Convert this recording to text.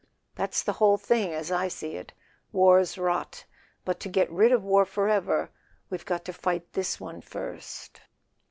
That's the whole thing, as I see it. War's rot; but to get rid of war forever we've got to fight this one first."